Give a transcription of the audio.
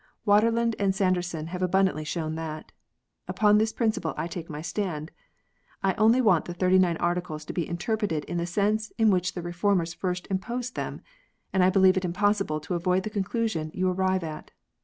Waterland and Sanderson have abundantly shown that. Upon this principle I take my stand. I only want the Thirty nine Articles to be interpreted in the sense in which the Reformers first imposed them, and I believe it impossible to avoid the conclusion you arrive at.